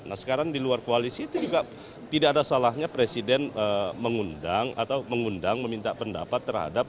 nah sekarang di luar koalisi itu juga tidak ada salahnya presiden mengundang atau mengundang meminta pendapat terhadap